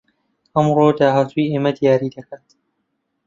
ئەمڕۆ داهاتووی ئێمە دیاری دەکات